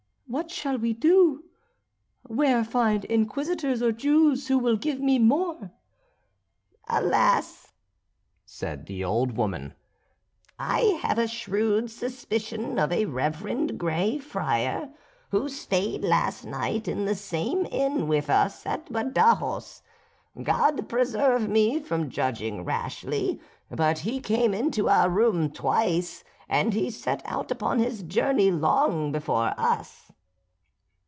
What shall we do? Where find Inquisitors or Jews who will give me more?" "Alas!" said the old woman, "I have a shrewd suspicion of a reverend Grey Friar, who stayed last night in the same inn with us at Badajos. God preserve me from judging rashly, but he came into our room twice, and he set out upon his journey long before us."